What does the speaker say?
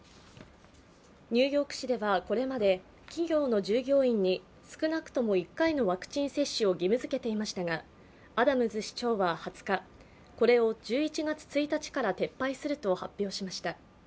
ニューヨーク市では、これまで企業の従業員に少なくとも１回のワクチン接種を義務づけていましたがアダムズ市長は２０日、これを１１月１日から撤廃すると発表しました。